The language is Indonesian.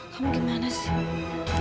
kamu gimana sih